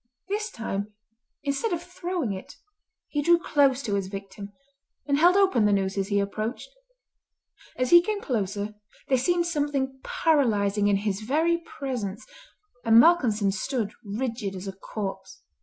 This time, instead of throwing it, he drew close to his victim, and held open the noose as he approached. As he came closer there seemed something paralysing in his very presence, and Malcolmson stood rigid as a corpse.